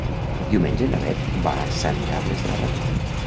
Diumenge na Beth va a Sant Carles de la Ràpita.